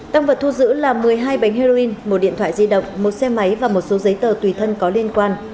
tăng vật thu giữ là một mươi hai bánh heroin một điện thoại di động một xe máy và một số giấy tờ tùy thân có liên quan